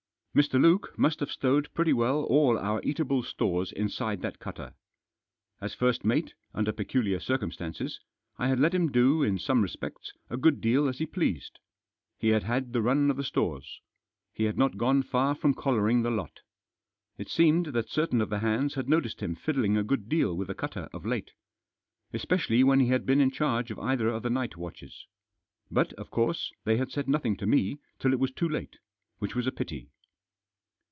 Mr. Luke must have stowed pretty well all our eatable stores inside that cutter. As first mate, under peculiar circumstances, I had let him do, in some respects, a good deal as he pleased. He had had the run of the stores. He had not gone far from collaring the lot. It seemed that certain of the hands had noticed him fiddling a good deal with the cutter of late. Especially when he had been In charge of either of the night watches. But, of course, they had said nothing to me till It was too late, which was a pity.